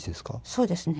そうですね。